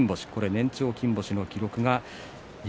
年長金星の記録